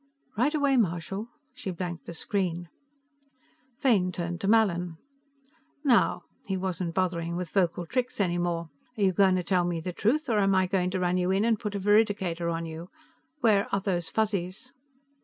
"Right away, Marshal." She blanked the screen. Fane turned to Mallin. "Now." He wasn't bothering with vocal tricks any more. "Are you going to tell me the truth, or am I going to run you in and put a veridicator on you? Where are those Fuzzies?"